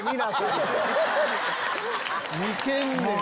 似てんねん！